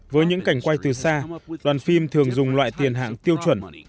với những cảnh quay từ xa đoàn phim thường dùng loại tiền hạng tiêu chuẩn